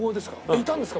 いたんですか？